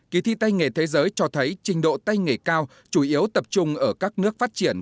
kỳ thi tay nghề thế giới cho thấy trình độ tay nghề cao chủ yếu tập trung ở các nước phát triển